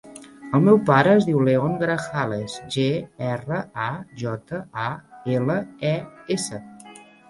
El meu pare es diu León Grajales: ge, erra, a, jota, a, ela, e, essa.